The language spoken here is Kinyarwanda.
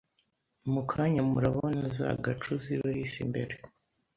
mu kanya murabona za Gacu zibahise imbere